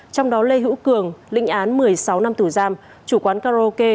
trong đó lê hữu cường lĩnh án một mươi sáu năm tủ giam chủ quán karaoke